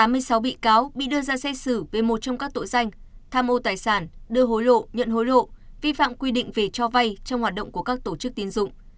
tám mươi sáu bị cáo bị đưa ra xét xử về một trong các tội danh tham ô tài sản đưa hối lộ nhận hối lộ vi phạm quy định về cho vay trong hoạt động của các tổ chức tiến dụng